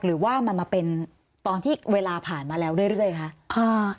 หรือว่ามันมาเป็นตอนที่เวลาผ่านมาแล้วเรื่อยคะ